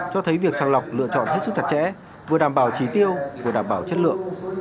cho thấy việc sàng lọc lựa chọn hết sức chặt chẽ vừa đảm bảo trí tiêu vừa đảm bảo chất lượng